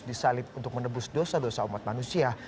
disalib untuk menebus dosa dosa umat manusia